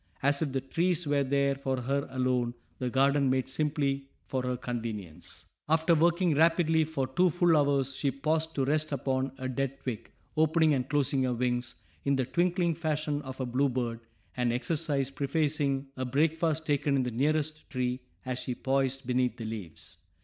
As if the trees were there for her alone, the garden made simply for her convenience! After working rapidly for two full hours she paused to rest upon a dead twig, opening and closing her wings in the twinkling fashion of a bluebird, an exercise prefacing a breakfast taken in the nearest tree as she poised beneath the leaves.